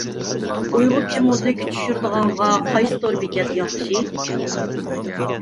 ئۇيغۇرچە مۇزىكا چۈشۈرىدىغانغا قايسى تور بېكەت ياخشى؟